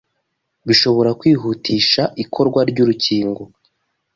bishobora kwihutisha ikorwa ry’urukingo